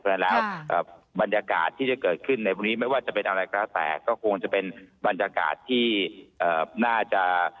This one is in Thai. เพราะฉะนั้นแล้วบรรยากาศที่จะเกิดขึ้นในวันนี้ไม่ว่าจะเป็นอะไรก็แล้วแต่ก็คงจะเป็นบรรยากาศที่น่าจะ